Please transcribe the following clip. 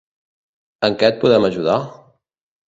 En què et podem ajudar?